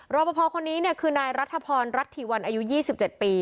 รอปภคนนี้เนี่ยคือนายรัฐภรรณรัฐฐีวันอายุยี่สิบเจ็ดปี